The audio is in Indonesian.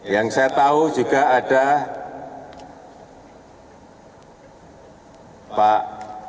yang saya tahu juga ada pak